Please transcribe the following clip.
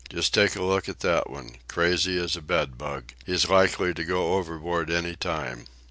—Just take a look at that one. Crazy as a bedbug. He's likely to go overboard any time."